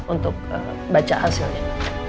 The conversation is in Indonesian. untuk baca hasilnya